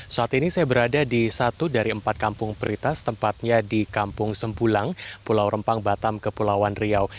saat ini saya berada di satu dari empat kampung prioritas tempatnya di kampung sempulang pulau rempang batam kepulauan riau